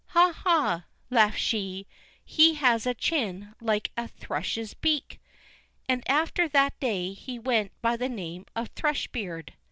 "Ha, ha!" laughed she, "he has a chin like a thrush's beak"; and after that day he went by the name of Thrush beard.